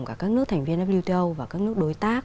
cả các nước thành viên wto và các nước đối tác